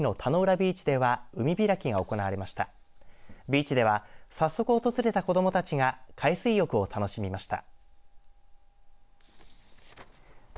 ビーチでは早速訪れた子どもたちが海水浴を楽しみました。